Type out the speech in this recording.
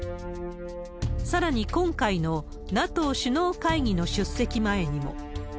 さらに、今回のＮＡＴＯ首脳会議の出席前にも。